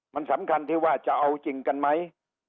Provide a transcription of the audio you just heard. มันสำคัญที่ว่าจะเอาจริงกันไหม